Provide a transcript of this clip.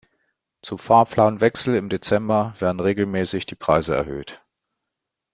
Zum Fahrplanwechsel im Dezember werden regelmäßig die Preise erhöht.